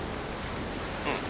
うん。